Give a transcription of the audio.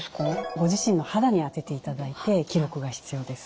ご自身の肌に当てていただいて記録が必要です。